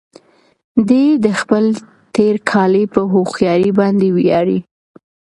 دی د خپل تېرکالي په هوښيارۍ باندې ویاړي.